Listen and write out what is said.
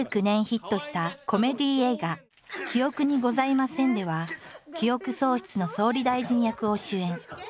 ２０１９年ヒットしたコメディー映画「記憶にございません！」では記憶喪失の総理大臣役を主演。